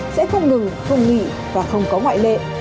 sẽ không ngừng không nghỉ và không có ngoại lệ